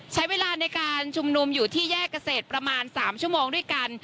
ใช้เวลาในการชุมนุมอยู่ที่แยกเกษตรประมาณ๓ชั่วโมงด้วยกัน